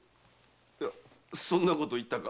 そんなことを言ったか？